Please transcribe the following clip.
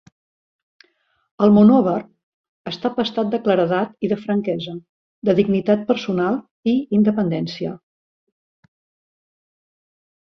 El monover està pastat de claredat i de franquesa, de dignitat personal i independència.